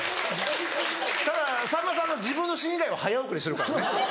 たださんまさんは自分のシーン以外は早送りしてる。